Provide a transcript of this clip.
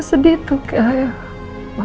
sedih tuh kayak apa apa